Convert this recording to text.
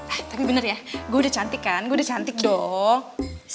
ah tapi bener ya gue udah cantik kan gue udah cantik dong